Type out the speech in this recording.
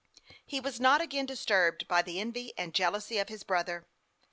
He was not again disturbed by the envy and jealousy of his brother.